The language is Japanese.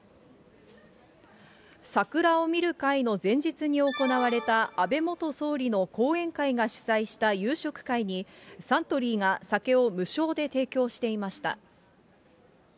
桜を見る会の前日に行われた、安倍元総理の後援会が主催した夕食会に、サントリーが酒を無償で提供していました。